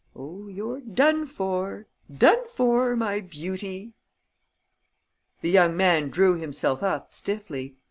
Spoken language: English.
Oh, you're done for, done for, my beauty!" The young man drew himself up stiffly.